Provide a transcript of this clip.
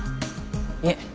いえ。